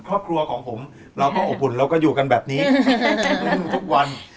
ครอบครัวของผมเราก็อบอุ่นเราก็อยู่กันแบบนี้ทุกวัน